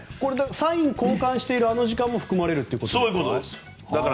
サインを交換している時間も含まれるってことですか？